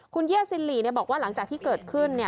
คุณเยี่ยซินหลีบอกว่าหลังจากที่เกิดขึ้น